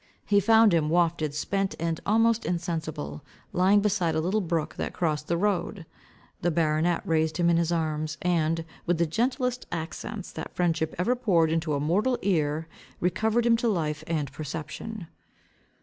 He found him, wafted, spent, and almost insensible, lying beside a little brook that crossed the road. The baronet raised him in his arms, and, with the gentlest accents that friendship ever poured into a mortal ear, recovered him to life and perception.